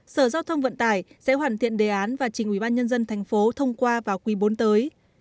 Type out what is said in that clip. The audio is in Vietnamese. sở giao thông vận tải sẽ hoàn thiện đề án và trình ubnd tp thông qua vào quý bốn tới